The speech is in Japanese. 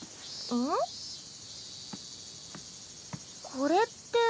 これって。